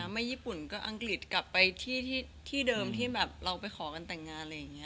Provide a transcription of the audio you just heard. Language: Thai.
ไม่ญี่ปุ่นก็อังกฤษกลับไปที่เดิมที่เราไปขอกันแต่งงาน